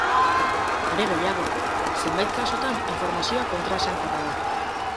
Are gehiago, zenbait kasutan, informazioa kontraesankorra da.